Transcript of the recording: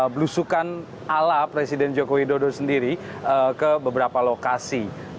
belusukan ala presiden jokowi dodo sendiri ke beberapa lokasi